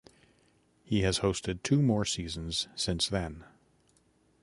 He has hosted two more seasons since then.